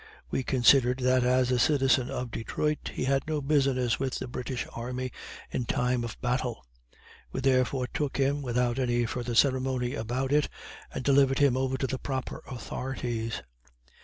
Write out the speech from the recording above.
We considered, that as a citizen of Detroit, he had no business with the British army in time of battle. We, therefore, took him, without any further ceremony about it, and delivered him over to the proper authorities.